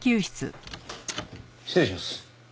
失礼します。